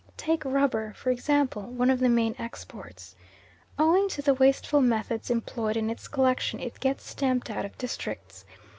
Take rubber, for example, one of the main exports. Owing to the wasteful methods employed in its collection it gets stamped out of districts.